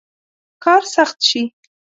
کار سخت شي.